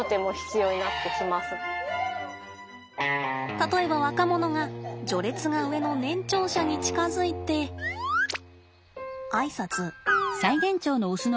例えば若者が序列が上の年長者に近づいてあいさつ。